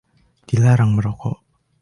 Dilarang merokok!